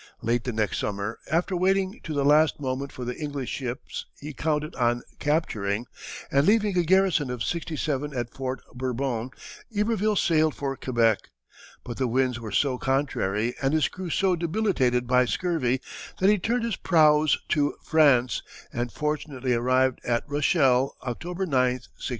Late the next summer, after waiting to the last moment for the English ships he counted on capturing, and leaving a garrison of sixty seven at Fort Bourbon, Iberville sailed for Quebec; but the winds were so contrary and his crew so debilitated by scurvy, that he turned his prows to France and fortunately arrived at Rochelle, October 9, 1695.